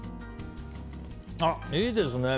いいですね。